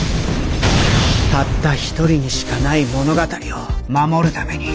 たった一人にしかない物語を守るために。